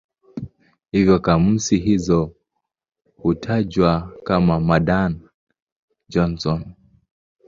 Hivyo kamusi hizo hutajwa kama "Madan-Johnson".